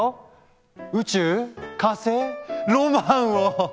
宇宙火星ロマンを！